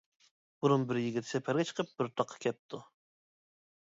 بۇرۇن بىر يىگىت سەپەرگە چىقىپ بىر تاغقا كەپتۇ.